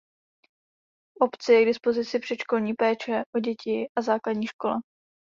V obci je k dispozici předškolní péče o děti a základní škola.